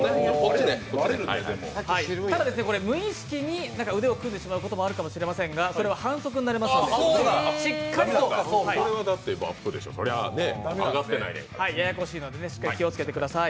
ただ、無意識に腕を組んでしまうこともあるかもしれませんが、それは反則になりますので、しっかりとややこしいのでしっかり気をつけてください。